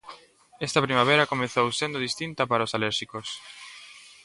Esta primavera comezou sendo distinta para os alérxicos.